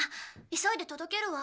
急いで届けるわ。